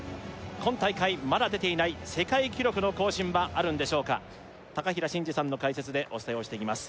今大会まだ出ていない世界記録の更新はあるんでしょうか平慎士さんの解説でお伝えをしていきます